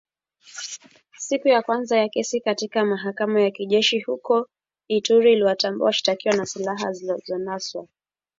Siku ya kwanza ya kesi katika mahakama ya kijeshi huko Ituri iliwatambua washtakiwa na silaha zilizonaswa